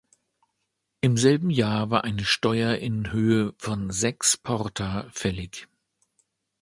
Im selben Jahr war eine Steuer in Höhe von sechs Porta fällig.